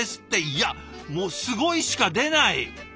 いやもう「すごい」しか出ない。